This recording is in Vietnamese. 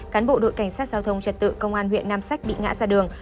cán bộ đội cảnh sát giao thông trật tự công an huyện nam sách bị ngã ra đường